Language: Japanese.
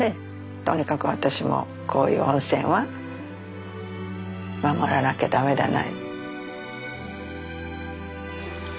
とにかく私もこういう温泉は守らなきゃ駄目だな。